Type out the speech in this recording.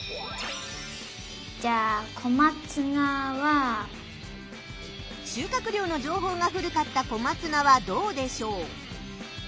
じゃあ収穫量の情報が古かった小松菜はどうでしょう？